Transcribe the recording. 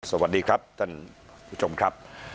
สวัสดีครับท่านผู้ชมครับ